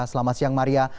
selamat siang maria